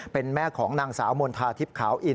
เป็นแม่ของนางสาวมณฑาทิพย์ขาวอิน